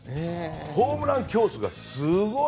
ホームラン競争がすごい。